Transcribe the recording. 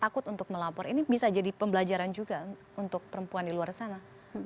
takut untuk melapor ini bisa jadi pembelajaran juga untuk perempuan di luar sana